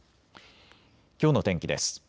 きょうの天気です。